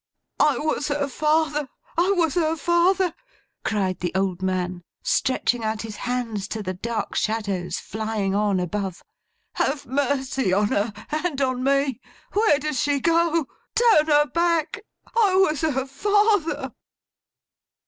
'I was her father! I was her father!' cried the old man, stretching out his hands to the dark shadows flying on above. 'Have mercy on her, and on me! Where does she go? Turn her back! I was her father!